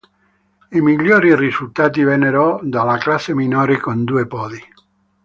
I migliori risultati vennero dalla classe minore con due podi.